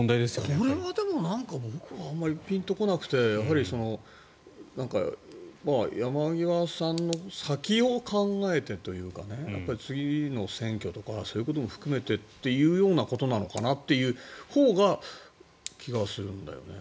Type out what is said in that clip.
これは僕はピンと来なくて山際さんの先を考えてというか次の選挙とかそういうことも含めてというようなことなのかなというほうがという気がするんだよね。